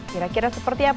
kira kira seperti apa